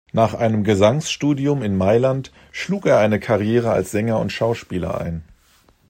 Nach einem Gesangsstudium in Mailand schlug er eine Karriere als Sänger und Schauspieler ein.